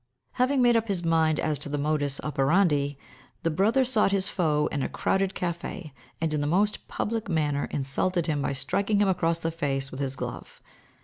Having made up his mind as to the modus operandi, the brother sought his foe in a crowded café, and in the most public manner insulted him by striking him across the face with his glove.